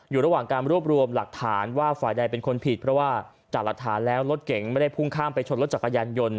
อยู่ระหว่างการรวบรวมหลักฐานว่าฝ่ายใดเป็นคนผิดเพราะว่าจากหลักฐานแล้วรถเก่งไม่ได้พุ่งข้ามไปชนรถจักรยานยนต์